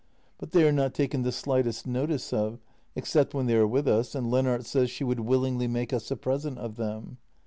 But they are not taken the slightest notice of, except when they are with us, and Lennart says she would willingly make us a present of them.